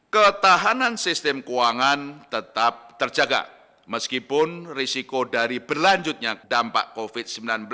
ketahanan sistem keuangan tetap terjaga meskipun risiko dari berlanjutnya dampak covid sembilan belas